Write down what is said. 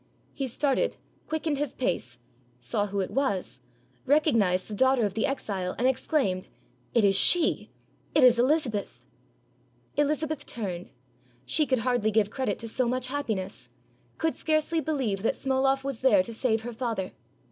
He started, quick ened his pace, saw who it was, recognized the daughter of the exile, and exclaimed, "It is she, it is Elizabeth!" Elizabeth turned: she could hardly give credit to so much happiness; could scarcely beheve that Smoloff was 178 HOW PARDON WAS WON FOR AN EXILE there to save her father.